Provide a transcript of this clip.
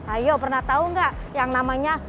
ayo pernah tau gak yang namanya